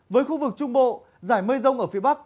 với khu vực trung bộ giải mây rông ở phía bắc